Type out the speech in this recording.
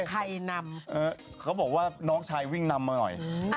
ใครนำเขาบอกว่าน้องชายวิ่งนำมาหน่อย